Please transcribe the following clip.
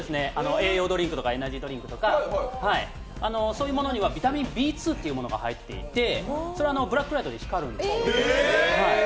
栄養ドリンクとかエナジードリンクとかそういうものにはビタミンＢ２が入っていてそれはブラックライトで光るんです。